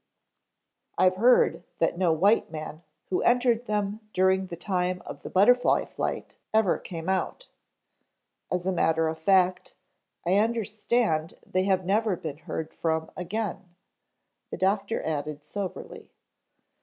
"I've heard that no white man who entered them during the time of the Butterfly Flight ever came out. As a matter of fact, I understand they have never been heard from again," the doctor added soberly.